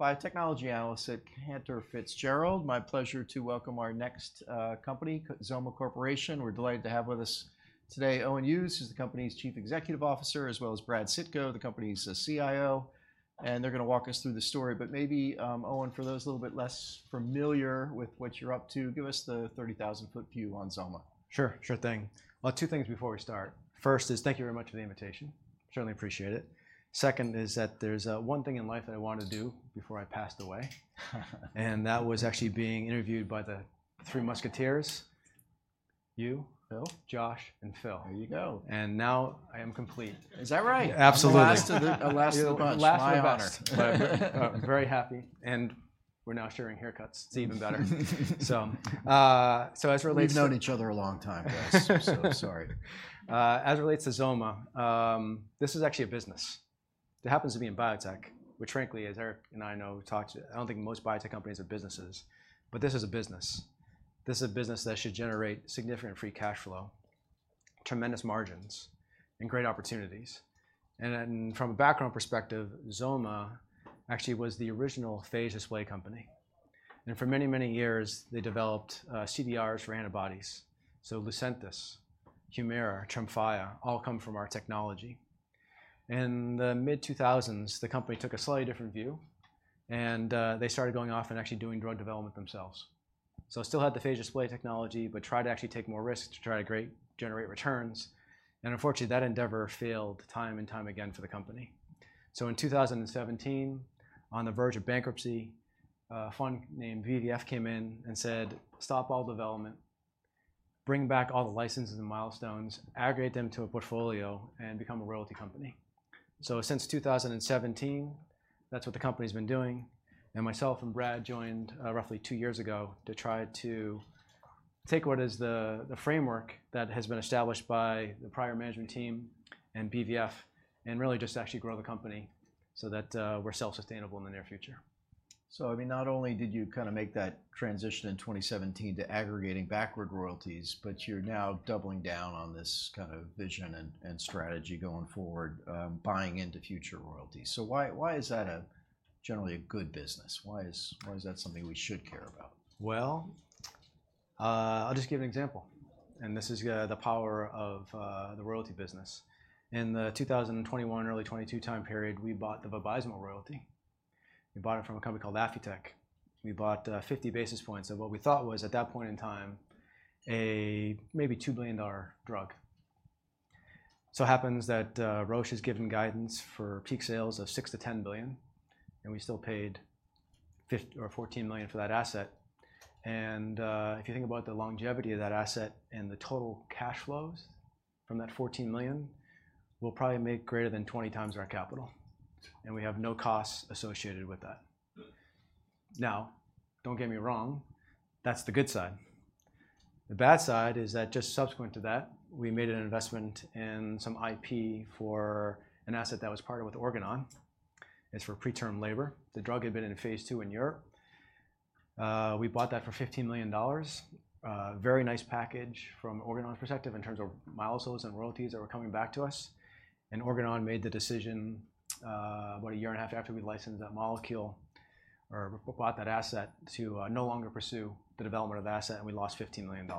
Biotechnology analyst at Cantor Fitzgerald. My pleasure to welcome our next company, XOMA Corporation. We're delighted to have with us today, Owen Hughes, who's the company's Chief Executive Officer, as well as Brad Sitko, the company's CIO, and they're going to walk us through the story. But maybe, Owen, for those a little bit less familiar with what you're up to, give us the 30,000-foot view on XOMA. Sure. Sure thing. Well, two things before we start. First is thank you very much for the invitation. Certainly appreciate it. Second is that there's one thing in life that I want to do before I passed away. And that was actually being interviewed by the Three Musketeers, you, Phil, Josh, and Phil. There you go. Now I am complete. Is that right? Absolutely. The last of the bunch. The last and the best. My honor. Very happy, and we're now sharing haircuts. It's even better. So as relates- We've known each other a long time, guys. So sorry. As it relates to XOMA, this is actually a business. It happens to be in biotech, which frankly, as Eric and I know. I don't think most biotech companies are businesses, but this is a business. This is a business that should generate significant free cash flow, tremendous margins, and great opportunities, and then from a background perspective, XOMA actually was the original phage display company, and for many, many years, they developed CDRs for antibodies, so Lucentis, Humira, Tremfya, all come from our technology. In the mid-2000s, the company took a slightly different view, and they started going off and actually doing drug development themselves, so still had the phage display technology, but tried to actually take more risks to try to generate returns, and unfortunately, that endeavor failed time and time again for the company. So in 2017, on the verge of bankruptcy, a fund named BVF came in and said, "Stop all development, bring back all the licenses and milestones, aggregate them to a portfolio, and become a royalty company." So since 2017, that's what the company's been doing, and myself and Brad joined roughly two years ago to try to take what is the framework that has been established by the prior management team and BVF and really just actually grow the company so that we're self-sustainable in the near future. I mean, not only did you kind of make that transition in 2017 to aggregating backward royalties, but you're now doubling down on this kind of vision and, and strategy going forward, buying into future royalties. Why, why is that generally a good business? Why is, why is that something we should care about? I'll just give an example, and this is the power of the royalty business. In 2021, early 2022 time period, we bought the Vabysmo royalty. We bought it from a company called Affitech. We bought fifty basis points of what we thought was, at that point in time, a maybe $2 billion drug. So it happens that Roche has given guidance for peak sales of $6 to $10 billion, and we still paid $14 million for that asset, and if you think about the longevity of that asset and the total cash flows from that $14 million, we'll probably make greater than 20 times our capital, and we have no costs associated with that. Now, don't get me wrong, that's the good side. The bad side is that just subsequent to that, we made an investment in some IP for an asset that was partnered with Organon. It's for preterm labor. The drug had been in Phase II in Europe. We bought that for $15 million. Very nice package from Organon perspective in terms of milestones and royalties that were coming back to us. And Organon made the decision, about a year and a half after we licensed that molecule or bought that asset, to no longer pursue the development of the asset, and we lost $15 million.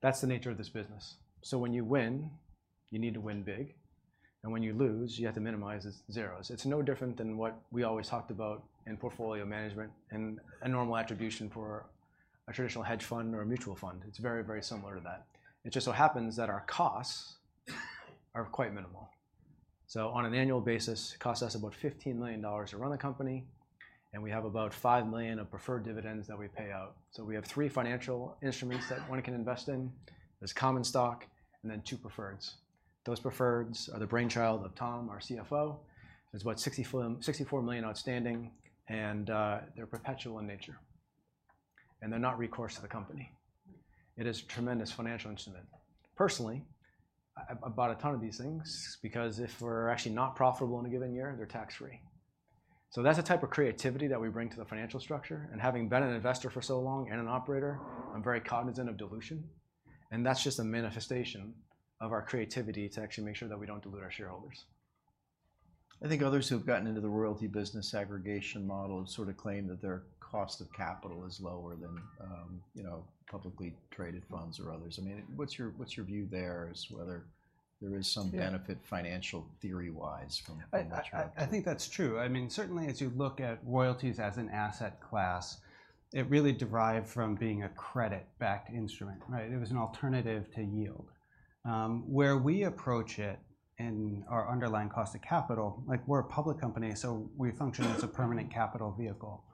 That's the nature of this business. So when you win, you need to win big, and when you lose, you have to minimize the zeros. It's no different than what we always talked about in portfolio management and a normal attribution for a traditional hedge fund or a mutual fund. It's very, very similar to that. It just so happens that our costs are quite minimal. So on an annual basis, it costs us about $15 million to run the company, and we have about $5 million of preferred dividends that we pay out. So we have three financial instruments that one can invest in. There's common stock and then two preferreds. Those preferreds are the brainchild of Tom, our CFO. There's about $64 million outstanding, and they're perpetual in nature, and they're not recourse to the company. It is a tremendous financial instrument. Personally, I bought a ton of these things because if we're actually not profitable in a given year, they're tax-free. So that's the type of creativity that we bring to the financial structure, and having been an investor for so long and an operator, I'm very cognizant of dilution, and that's just a manifestation of our creativity to actually make sure that we don't dilute our shareholders. I think others who have gotten into the royalty business aggregation model have sort of claimed that their cost of capital is lower than, you know, publicly traded funds or others. I mean, what's your view there as whether there is some benefit— Yeah Financial theory-wise from that structure? I think that's true. I mean, certainly as you look at royalties as an asset class, it really derived from being a credit-backed instrument, right? It was an alternative to yield. Where we approach it and our underlying cost of capital, like we're a public company, so we function as a permanent capital vehicle.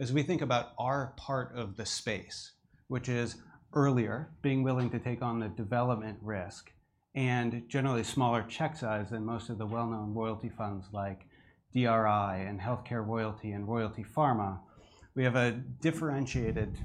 As we think about our part of the space, which is earlier, being willing to take on the development risk and generally smaller check size than most of the well-known royalty funds like DRI and HealthCare Royalty and Royalty Pharma, we have a differentiated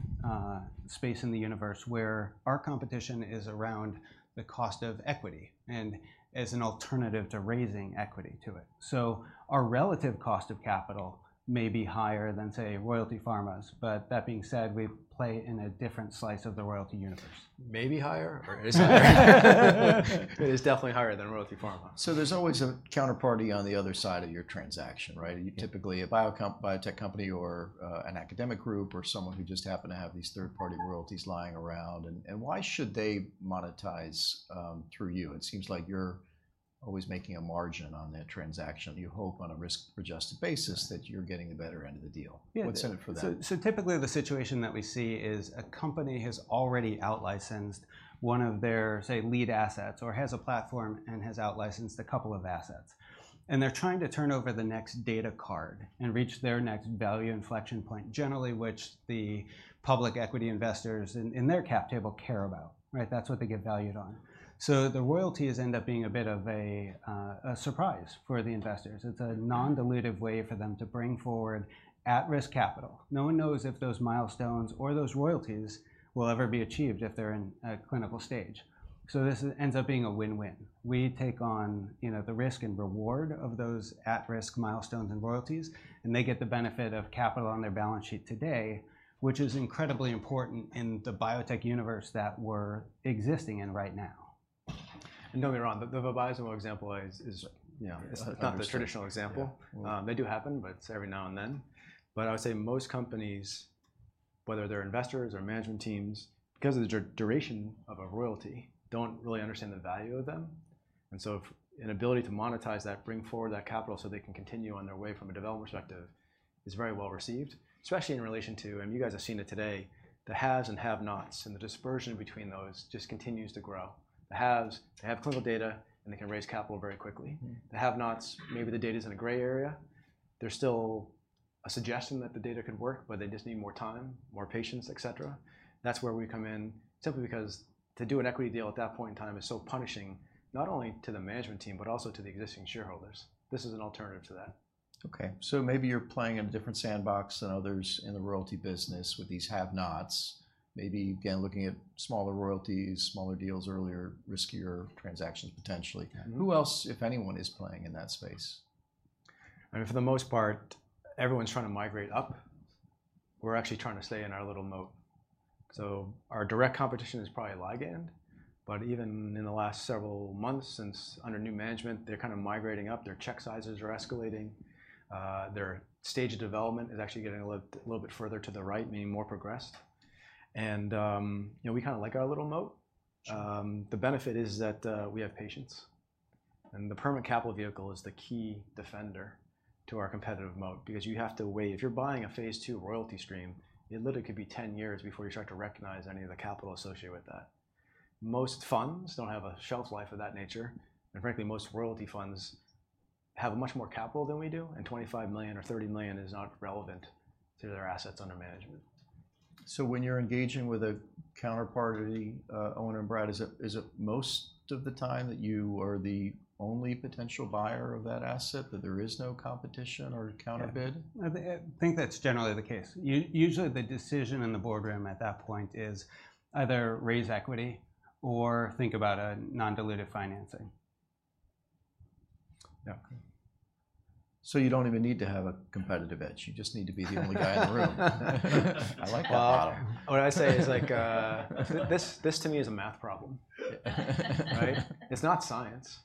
space in the universe where our competition is around the cost of equity and as an alternative to raising equity to it. So our relative cost of capital may be higher than, say, Royalty Pharma's, but that being said, we play in a different slice of the royalty universe. Maybe higher, or is it? It is definitely higher than Royalty Pharma. So there's always a counterparty on the other side of your transaction, right? Yeah. Typically, a biotech company or an academic group, or someone who just happened to have these third-party royalties lying around. And why should they monetize through you? It seems like you're always making a margin on that transaction. You hope on a risk-adjusted basis, that you're getting the better end of the deal. Yeah. What's in it for that? So, so typically, the situation that we see is a company has already out-licensed one of their, say, lead assets, or has a platform and has out-licensed a couple of assets. And they're trying to turn over the next data card and reach their next value inflection point, generally, which the public equity investors in their cap table care about, right? That's what they get valued on. So the royalties end up being a bit of a surprise for the investors. It's a non-dilutive way for them to bring forward at-risk capital. No one knows if those milestones or those royalties will ever be achieved if they're in a clinical stage. So this ends up being a win-win. We take on, you know, the risk and reward of those at-risk milestones and royalties, and they get the benefit of capital on their balance sheet today, which is incredibly important in the biotech universe that we're existing in right now. Don't get me wrong, the Abivax example is, you know— Understand It's not the traditional example. Yeah. They do happen, but it's every now and then. But I would say most companies, whether they're investors or management teams, because of the duration of a royalty, don't really understand the value of them. And so if an ability to monetize that, bring forward that capital, so they can continue on their way from a development perspective, is very well received, especially in relation to, and you guys have seen it today, the haves and have-nots, and the dispersion between those just continues to grow. The haves, they have clinical data, and they can raise capital very quickly. Mm. The have-nots, maybe the data is in a gray area. There's still a suggestion that the data could work, but they just need more time, more patients, et cetera. That's where we come in, simply because to do an equity deal at that point in time is so punishing, not only to the management team, but also to the existing shareholders. This is an alternative to that. Okay, so maybe you're playing in a different sandbox than others in the royalty business with these have-nots. Maybe, again, looking at smaller royalties, smaller deals earlier, riskier transactions, potentially. Yeah. Who else, if anyone, is playing in that space? I mean, for the most part, everyone's trying to migrate up. We're actually trying to stay in our little moat. So our direct competition is probably Ligand, but even in the last several months, since under new management, they're kind of migrating up. Their check sizes are escalating. Their stage of development is actually getting a little bit further to the right, meaning more progressed, and you know, we kind of like our little moat. Sure. The benefit is that we have patience, and the permanent capital vehicle is the key defender to our competitive moat because you have to wait. If you're buying a phase II royalty stream, it literally could be 10 years before you start to recognize any of the capital associated with that. Most funds don't have a shelf life of that nature, and frankly, most royalty funds have much more capital than we do, and 25 million or 30 million is not relevant to their assets under management. So when you're engaging with a counterparty, Owen and Brad, is it, is it most of the time that you are the only potential buyer of that asset, that there is no competition or a counter bid? Yeah. I think that's generally the case. Usually, the decision in the boardroom at that point is either raise equity or think about a non-dilutive financing. Yeah. So you don't even need to have a competitive edge. You just need to be the only guy in the room. I like that model. What I say is like, this to me is a math problem. Right? It's not science.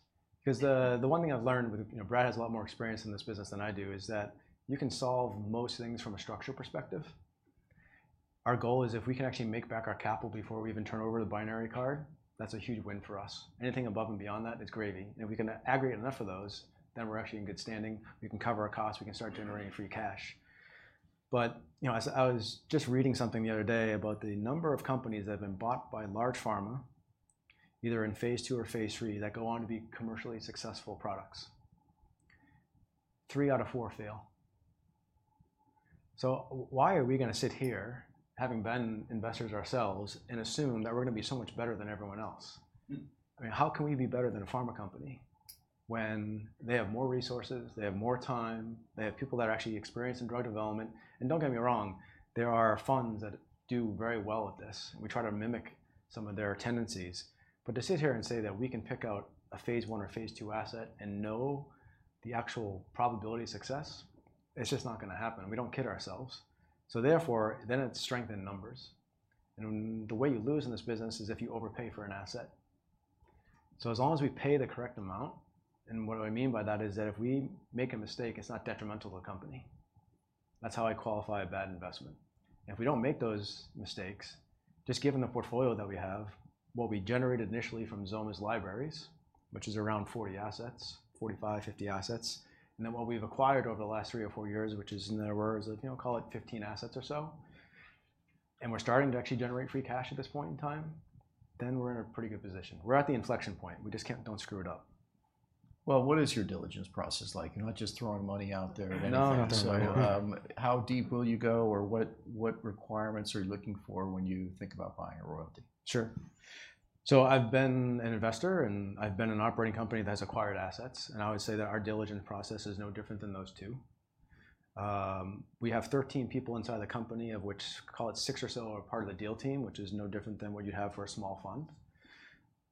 Because the one thing I've learned with you know, Brad, has a lot more experience in this business than I do, is that you can solve most things from a structural perspective. Our goal is if we can actually make back our capital before we even turn over the binary card, that's a huge win for us. Anything above and beyond that, it's gravy. If we can aggregate enough of those, then we're actually in good standing. We can cover our costs, we can start generating free cash. But, you know, as I was just reading something the other day about the number of companies that have been bought by large pharma, either in Phase II or Phase III, that go on to be commercially successful products. Three out of four fail. Why are we gonna sit here, having been investors ourselves, and assume that we're gonna be so much better than everyone else? I mean, how can we be better than a pharma company when they have more resources, they have more time, they have people that are actually experienced in drug development? And don't get me wrong, there are funds that do very well at this, and we try to mimic some of their tendencies. But to sit here and say that we can pick out a Phase I or Phase II asset and know the actual probability of success, it's just not gonna happen. We don't kid ourselves. So therefore, then it's strength in numbers. And the way you lose in this business is if you overpay for an asset. So as long as we pay the correct amount, and what do I mean by that, is that if we make a mistake, it's not detrimental to the company. That's how I qualify a bad investment. And if we don't make those mistakes, just given the portfolio that we have, what we generated initially from XOMA's libraries, which is around 40 assets, 45, 50 assets, and then what we've acquired over the last3 or 4 years, which is in the areas of, you know, call it 15 assets or so, and we're starting to actually generate free cash at this point in time, then we're in a pretty good position. We're at the inflection point. We just don't screw it up. What is your diligence process like? You're not just throwing money out there or anything. No, not at all. How deep will you go, or what, what requirements are you looking for when you think about buying a royalty? Sure. So I've been an investor, and I've been an operating company that's acquired assets, and I would say that our diligence process is no different than those two. We have 13 people inside the company, of which, call it six or so, are part of the deal team, which is no different than what you'd have for a small fund.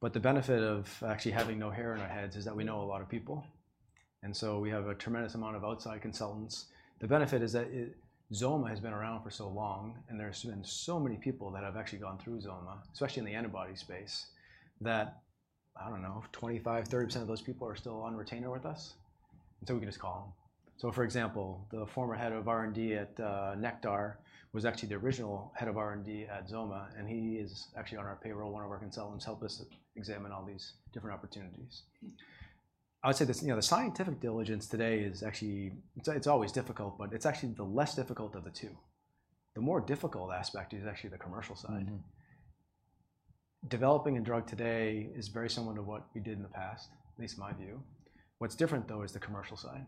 But the benefit of actually having no hair on our heads is that we know a lot of people, and so we have a tremendous amount of outside consultants. The benefit is that, XOMA has been around for so long, and there's been so many people that have actually gone through XOMA, especially in the antibody space, that, I don't know, 25%, 30% of those people are still on retainer with us, and so we can just call him. So for example, the former head of R&D at Nektar was actually the original head of R&D at XOMA, and he is actually on our payroll. One of our consultants help us examine all these different opportunities. I would say this, you know, the scientific diligence today is actually, it's, it's always difficult, but it's actually the less difficult of the two. The more difficult aspect is actually the commercial side. Mm-hmm. Developing a drug today is very similar to what we did in the past, at least in my view. What's different, though, is the commercial side.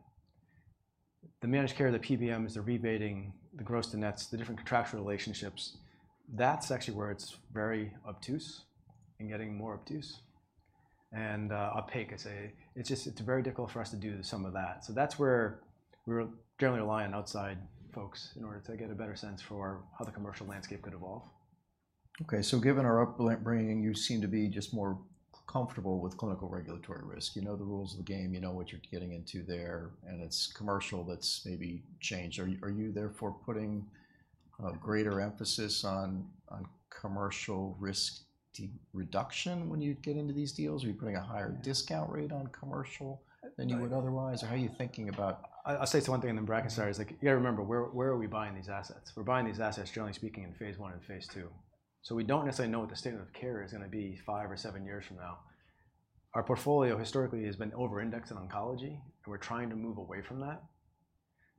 The managed care, the PBMs, the rebating, the gross to nets, the different contractual relationships, that's actually where it's very obtuse and getting more obtuse and opaque, I'd say. It's just. It's very difficult for us to do some of that. So that's where we're generally relying on outside folks in order to get a better sense for how the commercial landscape could evolve. Okay. So given our upbringing, you seem to be just more comfortable with clinical regulatory risk. You know the rules of the game, you know what you're getting into there, and it's commercial that's maybe changed. Are you therefore putting a greater emphasis on commercial risk reduction when you get into these deals? Are you putting a higher discount rate on commercial than you would otherwise? Or how are you thinking about— I'll say one thing and then Brad can start. It's like, you gotta remember, where are we buying these assets? We're buying these assets, generally speaking, in Phase I and Phase II. So we don't necessarily know what the standard of care is gonna be 5 or 7 years from now. Our portfolio historically has been over indexed in oncology, and we're trying to move away from that.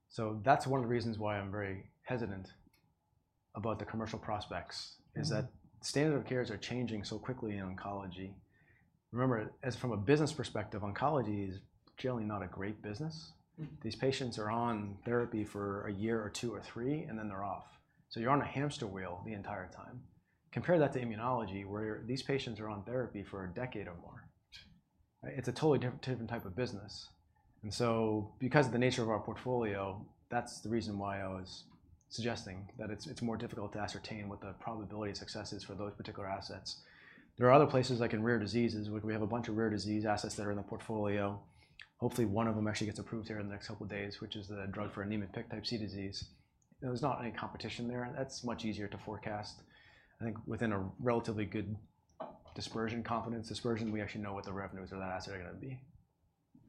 So that's one of the reasons why I'm very hesitant about the commercial prospects is that standards of care are changing so quickly in oncology. Remember, as from a business perspective, oncology is generally not a great business. These patients are on therapy for a year or two or three, and then they're off. So you're on a hamster wheel the entire time. Compare that to immunology, where these patients are on therapy for a decade or more. It's a totally different, different type of business. And so because of the nature of our portfolio, that's the reason why I was suggesting that it's more difficult to ascertain what the probability of success is for those particular assets. There are other places, like in rare diseases, where we have a bunch of rare disease assets that are in the portfolio. Hopefully, one of them actually gets approved here in the next couple of days, which is the drug for Niemann-Pick Type C disease. There's not any competition there. That's much easier to forecast. I think within a relatively good dispersion, confidence dispersion, we actually know what the revenues of that asset are gonna be.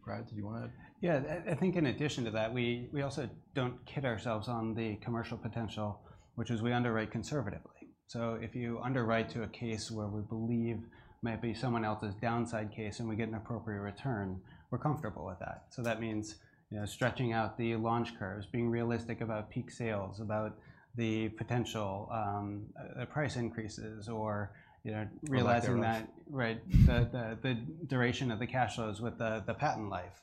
Brad, did you wanna? Yeah. I think in addition to that, we also don't kid ourselves on the commercial potential, which is we underwrite conservatively. So if you underwrite to a case where we believe might be someone else's downside case and we get an appropriate return, we're comfortable with that. So that means, you know, stretching out the launch curves, being realistic about peak sales, about the potential, price increases, or, you know, realizing that— Commercial risk. Right. The duration of the cash flows with the patent life.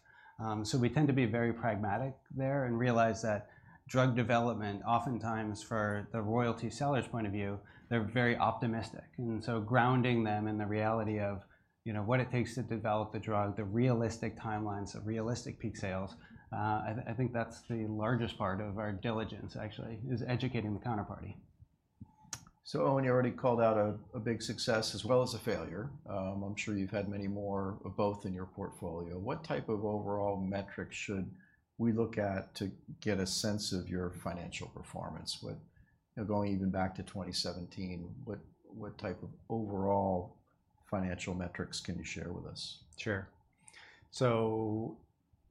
So we tend to be very pragmatic there and realize that drug development, oftentimes for the royalty seller's point of view, they're very optimistic. And so grounding them in the reality of, you know, what it takes to develop the drug, the realistic timelines of realistic peak sales, I think that's the largest part of our diligence, actually, is educating the counterparty. So, Owen, you already called out a big success as well as a failure. I'm sure you've had many more of both in your portfolio. What type of overall metrics should we look at to get a sense of your financial performance? With, you know, going even back to 2017, what type of overall financial metrics can you share with us? Sure.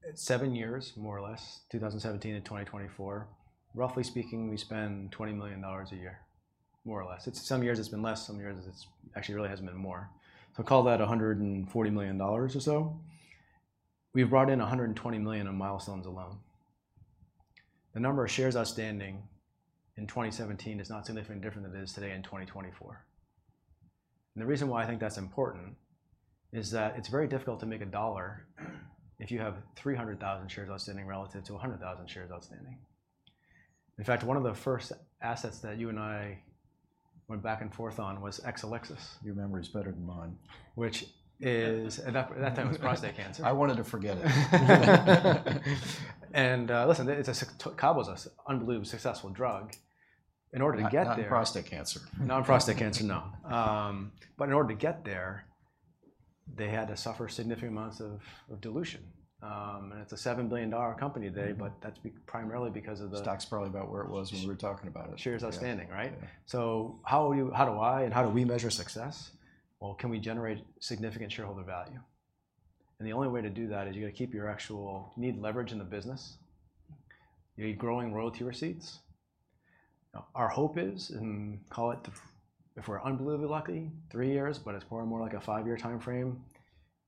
So 7 years, more or less, 2017 to 2024, roughly speaking, we spend $20 million a year, more or less. It's. Some years it's been less, some years it's actually really has been more. So call that $140 million or so. We've brought in $120 million on milestones alone. The number of shares outstanding in 2017 is not significantly different than it is today in 2024. And the reason why I think that's important is that it's very difficult to make a dollar if you have 300,000 shares outstanding relative to 100,000 shares outstanding. In fact, one of the first assets that you and I went back and forth on was Exelixis. Your memory is better than mine. Which is, and that time was prostate cancer. I wanted to forget it. Listen, cabozantinib was an unbelievably successful drug. In order to get there— Not in prostate cancer. Not in prostate cancer, no. But in order to get there, they had to suffer significant amounts of dilution. And it's a $7 billion company today, but that's primarily because of the— Stock's probably about where it was when we were talking about it. Shares outstanding, right? Yeah. How do I, and how do we, measure success? Can we generate significant shareholder value? The only way to do that is you've got to keep your actual, you need leverage in the business. You need growing royalty receipts. Our hope is, and call it, if we're unbelievably lucky, three years, but it's probably more like a five-year timeframe,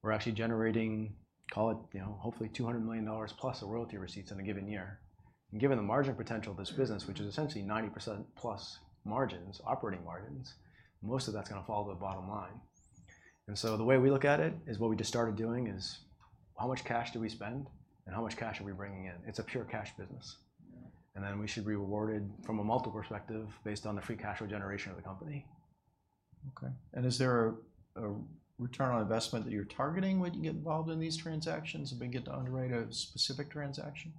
we're actually generating, call it, you know, hopefully, $200 million plus of royalty receipts in a given year. Given the margin potential of this business, which is essentially 90% plus margins, operating margins, most of that's gonna fall to the bottom line, so the way we look at it, what we just started doing, is how much cash do we spend, and how much cash are we bringing in? It's a pure cash business. And then we should be rewarded from a multiple perspective based on the free cash flow generation of the company. Okay. And is there a return on investment that you're targeting when you get involved in these transactions, when you get to underwrite a specific transaction?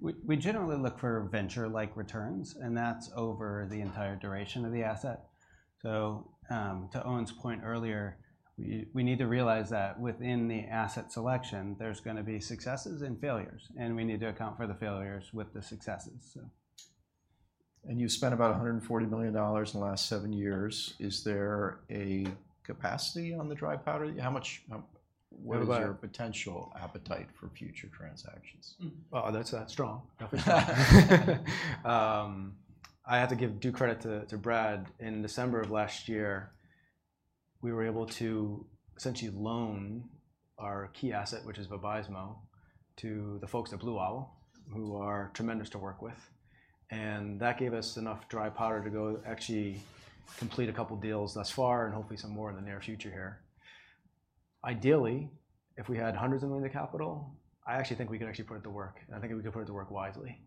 We generally look for venture-like returns, and that's over the entire duration of the asset. So, to Owen's point earlier, we need to realize that within the asset selection, there's gonna be successes and failures, and we need to account for the failures with the successes, so. And you've spent about $140 million in the last seven years. Is there a capacity on the dry powder? How much? How about— What is your potential appetite for future transactions? That's strong. I have to give due credit to Brad. In December of last year, we were able to essentially loan our key asset, which is Vabysmo, to the folks at Blue Owl, who are tremendous to work with, and that gave us enough dry powder to go actually complete a couple deals thus far, and hopefully some more in the near future here. Ideally, if we had hundreds of million of capital, I actually think we can actually put it to work, and I think we could put it to work wisely.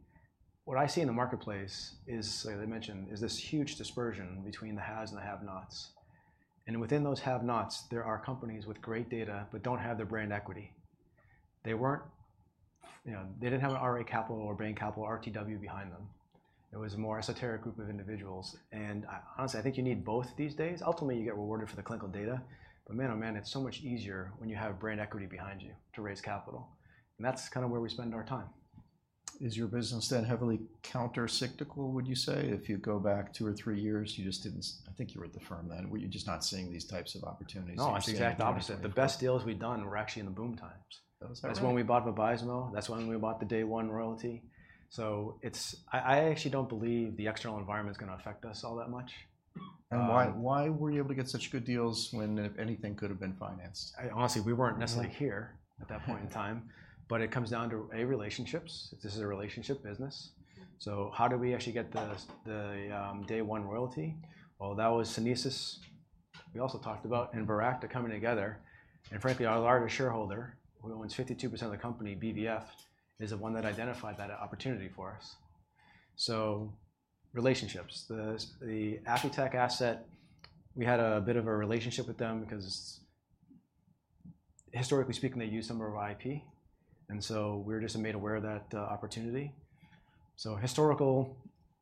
What I see in the marketplace is, as I mentioned, is this huge dispersion between the haves and the have-nots. Within those have-nots, there are companies with great data but don't have the brand equity. They weren't, you know, they didn't have an RA Capital or Bain Capital, RTW behind them. It was a more esoteric group of individuals, and I, honestly, I think you need both these days. Ultimately, you get rewarded for the clinical data, but man, oh, man, it's so much easier when you have brand equity behind you to raise capital, and that's kind of where we spend our time. Is your business then heavily countercyclical, would you say? If you go back two or three years, you just didn't. I think you were at the firm then. Were you just not seeing these types of opportunities that you're seeing in 2017? No, actually, exactly the opposite. The best deals we've done were actually in the boom times. That was better. That's when we bought Vabysmo. That's when we bought the Day One royalty. So it's. I, I actually don't believe the external environment is gonna affect us all that much. Why, why were you able to get such good deals when anything could have been financed? I honestly, we weren't necessarily here at that point in time, but it comes down to A, relationships. This is a relationship business. So how do we actually get the Day One royalty? Well, that was Sunesis. We also talked about Sunesis and Viracta coming together, and frankly, our largest shareholder, who owns 52% of the company, BVF, is the one that identified that opportunity for us. So relationships. The Aptevo asset, we had a bit of a relationship with them because historically speaking, they use some of our IP, and so we're just made aware of that opportunity. So historical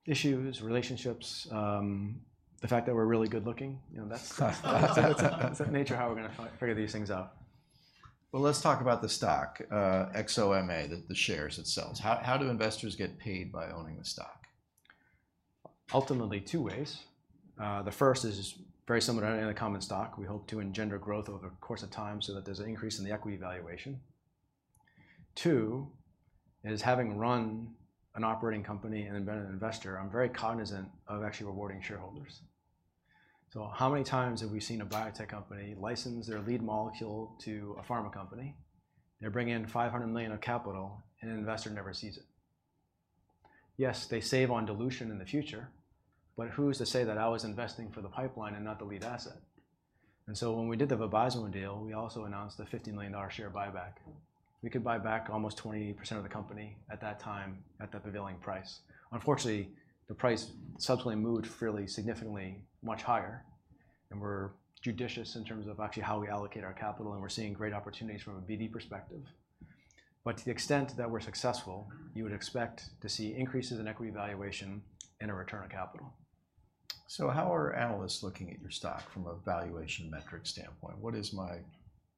relationships, the fact that we're really good looking, you know, that's nature how we're gonna figure these things out. Let's talk about the stock, XOMA, the shares it sells. How do investors get paid by owning the stock? Ultimately, two ways. The first is very similar to any other common stock. We hope to engender growth over the course of time so that there's an increase in the equity valuation. Two, is having run an operating company and been an investor, I'm very cognizant of actually rewarding shareholders. So how many times have we seen a biotech company license their lead molecule to a pharma company? They bring in $500 million of capital, and an investor never sees it. Yes, they save on dilution in the future, but who's to say that I was investing for the pipeline and not the lead asset? And so when we did the Vabysmo deal, we also announced a $50 million share buyback. We could buy back almost 20% of the company at that time, at the prevailing price. Unfortunately, the price subsequently moved fairly significantly much higher, and we're judicious in terms of actually how we allocate our capital, and we're seeing great opportunities from a BD perspective, but to the extent that we're successful, you would expect to see increases in equity valuation and a return on capital. So how are analysts looking at your stock from a valuation metric standpoint? What is my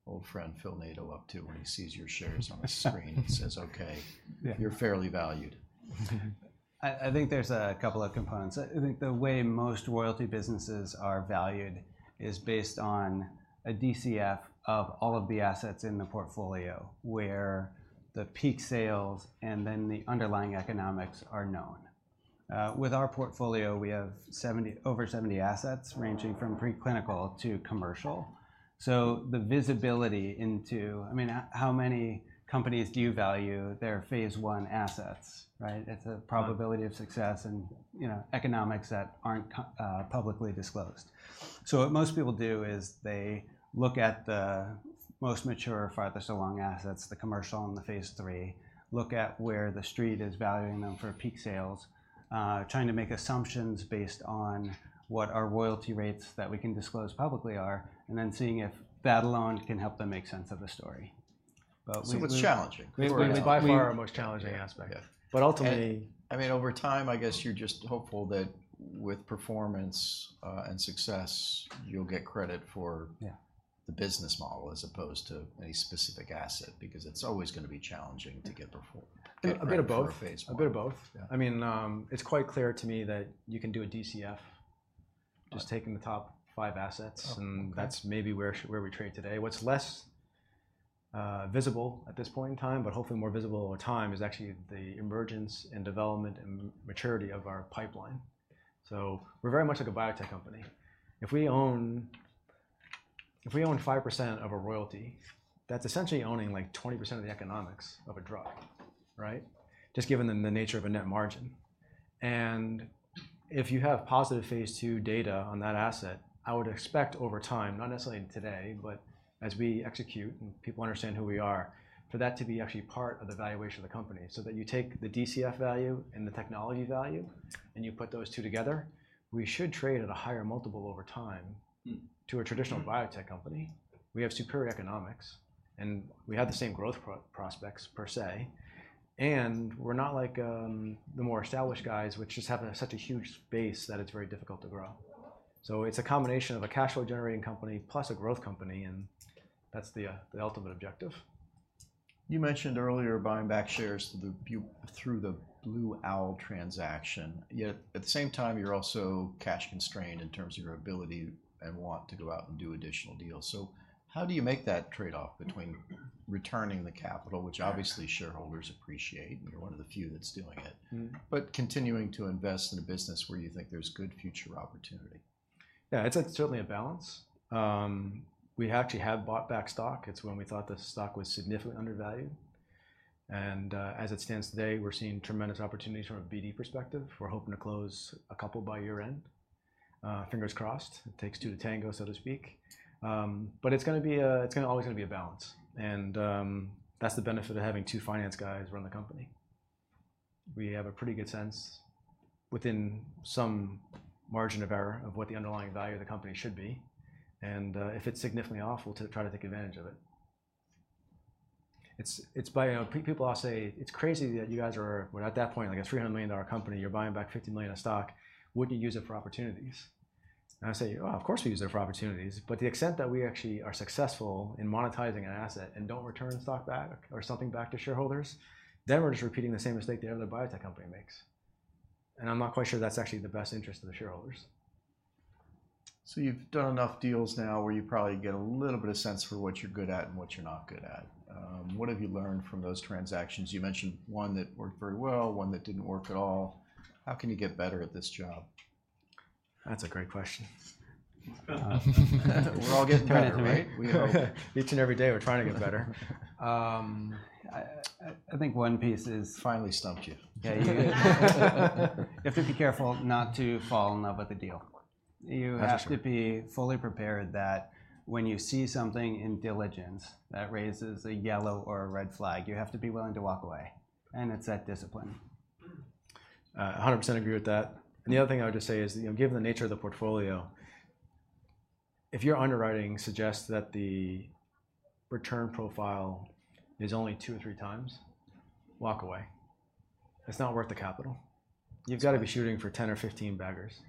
old friend, Phil Nadeau, up to when he sees your shares on the screen and says, okay? Yeah. You're fairly valued. I think there's a couple of components. I think the way most royalty businesses are valued is based on a DCF of all of the assets in the portfolio, where the peak sales and then the underlying economics are known. With our portfolio, we have over 70 assets, ranging from preclinical to commercial. So the visibility into, I mean, how many companies do you value their Phase I assets, right? It's a probability— Yeah Of success and, you know, economics that aren't publicly disclosed. So what most people do is they look at the most mature, farthest along assets, the commercial and the Phase III, look at where the street is valuing them for peak sales, trying to make assumptions based on what our royalty rates that we can disclose publicly are, and then seeing if that alone can help them make sense of the story. But we, So it's challenging. By far, our most challenging aspect. Yeah. But ultimately— I mean, over time, I guess you're just hopeful that with performance and success, you'll get credit for— Yeah The business model as opposed to any specific asset, because it's always gonna be challenging to get perform— A bit of both. For a Phase I. A bit of both. Yeah. I mean, it's quite clear to me that you can do a DCF— Yeah Just taking the top five assets— Oh, okay And that's maybe where we trade today. What's less visible at this point in time, but hopefully more visible over time, is actually the emergence and development and maturity of our pipeline. So we're very much like a biotech company. If we own 5% of a royalty, that's essentially owning like 20% of the economics of a drug, right? Just given the nature of a net margin. And if you have positive phase II data on that asset, I would expect over time, not necessarily today, but as we execute and people understand who we are, for that to be actually part of the valuation of the company. So that you take the DCF value and the technology value, and you put those two together, we should trade at a higher multiple over time— Mm To a traditional biotech company. We have superior economics, and we have the same growth prospects per se, and we're not like the more established guys, which just have such a huge base that it's very difficult to grow. So it's a combination of a cash flow generating company plus a growth company, and that's the ultimate objective. You mentioned earlier buying back shares through the Blue, through the Blue Owl transaction. Yeah. Yet at the same time, you're also cash constrained in terms of your ability and want to go out and do additional deals. So how do you make that trade-off between returning the capital, which obviously shareholders appreciate, and you're one of the few that's doing it— Mm. But continuing to invest in a business where you think there's good future opportunity? Yeah, it's certainly a balance. We actually have bought back stock. It's when we thought the stock was significantly undervalued, and as it stands today, we're seeing tremendous opportunities from a BD perspective. We're hoping to close a couple by year-end. Fingers crossed. It takes two to tango, so to speak. But it's gonna always be a balance, and that's the benefit of having two finance guys run the company. We have a pretty good sense within some margin of error of what the underlying value of the company should be, and if it's significantly off, we'll try to take advantage of it. People will say, it's crazy that you guys were at that point, like a $300 million company, you're buying back $50 million of stock. Wouldn't you use it for opportunities? And I say, “Well, of course, we use it for opportunities,” but to the extent that we actually are successful in monetizing an asset and don't return stock back or something back to shareholders, then we're just repeating the same mistake the other biotech company makes, and I'm not quite sure that's actually in the best interest of the shareholders. So you've done enough deals now where you probably get a little bit of sense for what you're good at and what you're not good at. What have you learned from those transactions? You mentioned one that worked very well, one that didn't work at all. How can you get better at this job? That's a great question. We're all getting better, right? We are. Each and every day, we're trying to get better. I think one piece is finally stumped you. Yeah. You have to be careful not to fall in love with the deal. That's true. You have to be fully prepared that when you see something in diligence that raises a yellow or a red flag, you have to be willing to walk away, and it's that discipline. 100% agree with that. And the other thing I would just say is, you know, given the nature of the portfolio, if your underwriting suggests that the return profile is only two or three times, walk away. It's not worth the capital. You've got to be shooting for 10 or 15 baggers,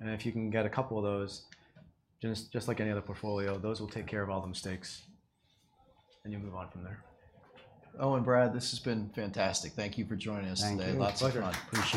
and if you can get a couple of those, just like any other portfolio, those will take care of all the mistakes, and you move on from there. Owen, Brad, this has been fantastic. Thank you for joining us today. Thank you. Lots of fun. Pleasure. Appreciate it.